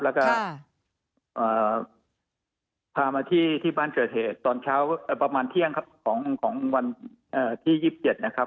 แล้วก็พามาที่บ้านเกิดเหตุประมาณเที่ยงของวันที่๒๗นะครับ